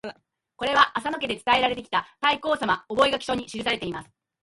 これは浅野家で伝えられてきた「太閤様御覚書」に記されています。